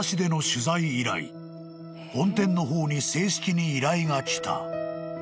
［本店の方に正式に依頼が来た］